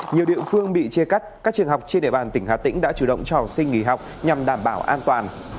nhiều địa phương bị chia cắt các trường học trên địa bàn tỉnh hà tĩnh đã chủ động cho học sinh nghỉ học nhằm đảm bảo an toàn